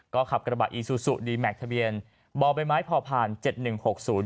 ก็ขับกระบะอีซูซูดีแมคทะเบียนบ่อใบไม้พอผ่านเจ็ดหนึ่งหกศูนย์